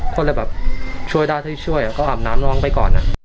คนแรกแบบช่วยได้ที่ช่วยอะก็อาอำน้ำน้องไปก่อนอ่ะ